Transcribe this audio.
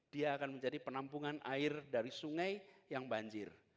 dia akan menjadi penampungan air dari sungai yang banjir